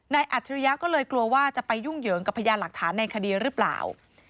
อัจฉริยะก็เลยกลัวว่าจะไปยุ่งเหยิงกับพยานหลักฐานในคดีหรือเปล่า